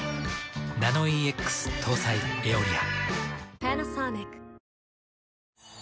ナノイーＸ搭載「エオリア」。